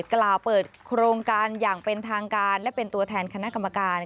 กล่าวเปิดโครงการอย่างเป็นทางการและเป็นตัวแทนคณะกรรมการ